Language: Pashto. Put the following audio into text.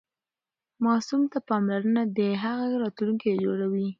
ماسوم ته پاملرنه د هغه راتلونکی جوړوي.